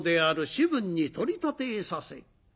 士分に取り立てさせ」。